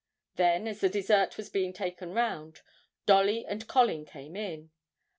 Then as the dessert was being taken round, Dolly and Colin came in.